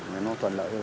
mà nó toàn bộ